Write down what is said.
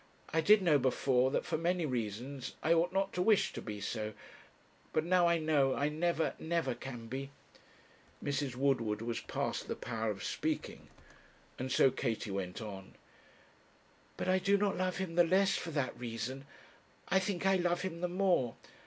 I did know before, that for many reasons I ought not to wish to be so; but now I know I never, never can be.' Mrs. Woodward was past the power of speaking, and so Katie went on. 'But I do not love him the less for that reason; I think I love him the more.